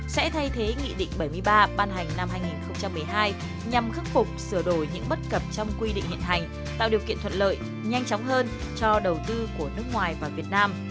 sẽ thay thế nghị định bảy mươi ba ban hành năm hai nghìn một mươi hai nhằm khắc phục sửa đổi những bất cập trong quy định hiện hành tạo điều kiện thuận lợi nhanh chóng hơn cho đầu tư của nước ngoài vào việt nam